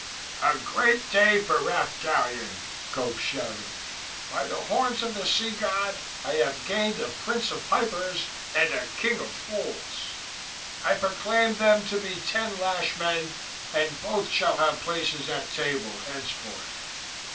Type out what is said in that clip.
"A great day for Rath Gallion," Gope shouted. "By the horns of the sea god, I have gained a prince of pipers and a king of fools! I proclaim them to be ten lash men, and both shall have places at table henceforth!"